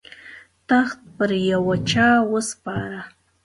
تخت پر یوه چا وسپاره.